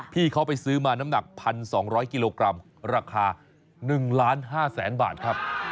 พี่เขาไปซื้อมาน้ำหนัก๑๒๐๐กิโลกรัมราคา๑๕๐๐๐๐บาทครับ